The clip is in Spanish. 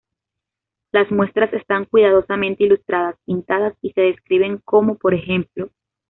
Las muestras están cuidadosamente ilustradas, pintadas, y se describen, como por ej.